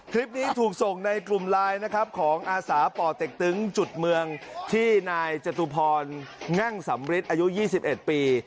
คลิปนี้ถูกส่งในกลุ่มไลน์นะครับของอาสาป่อเต็กตึงจุดเมืองที่นายจตุพรงั่งสำริทอายุ๒๑ปี